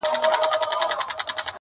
دومره حيا مه كوه مړ به مي كړې.